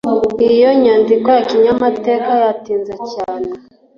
iyo nyandiko ya kinyamateka, yatinze cyane